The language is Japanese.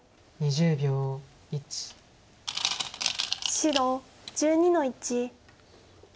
白１２の一。